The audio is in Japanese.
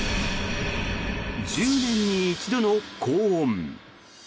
１０年に一度の高温。